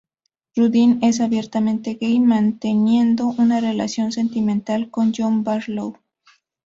Rudin es abiertamente gay, manteniendo una relación sentimental con John Barlow.